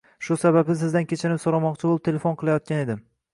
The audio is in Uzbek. Shu sababli sizdan kechirim so'ramoqchi bo'lib telefon qilayotgan edim